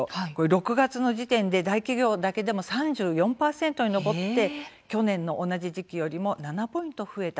６月の時点で大企業だけでも３４％に上り去年の同じ時期より７ポイント増えた